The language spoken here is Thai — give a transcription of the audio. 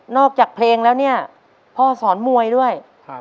จากเพลงแล้วเนี่ยพ่อสอนมวยด้วย